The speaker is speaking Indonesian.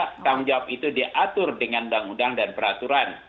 tanggung jawab itu diatur dengan undang undang dan peraturan